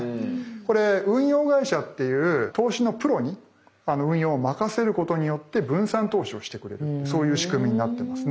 これ運用会社っていう投資のプロに運用を任せることによって分散投資をしてくれるそういう仕組みになってますね。